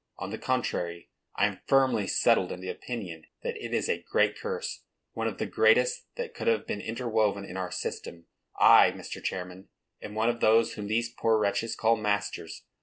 On the contrary, I am firmly settled in the opinion that it is a great curse,—one of the greatest that could have been interwoven in our system. I, Mr. Chairman, am one of those whom these poor wretches call masters.